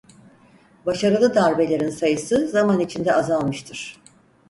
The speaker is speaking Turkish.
Başarılı darbelerin sayısı zaman içinde azalmıştır.